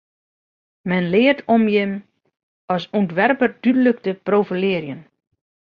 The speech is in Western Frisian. Men leart om jin as ûntwerper dúdlik te profilearjen.